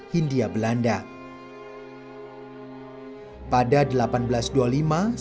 hindia belanda pada seribu delapan ratus dua puluh lima sampai seribu delapan ratus tiga puluh terjadi perang di pondegoro saat itu adalah masa terburuk